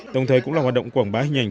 đồng thời cũng là hoạt động quảng bá hình ảnh